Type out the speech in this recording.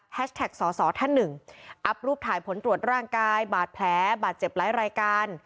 แท็กสอสอท่านหนึ่งอัพรูปถ่ายผลตรวจร่างกายบาดแผลบาดเจ็บหลายรายการ